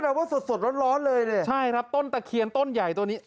ร้อนเลยเนี่ยใช่ครับต้นตะเขียนต้นใหญ่ตัวนี้